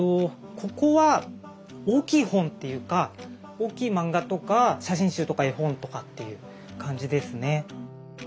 ここは大きい本っていうか大きい漫画とか写真集とか絵本とかっていう感じですね。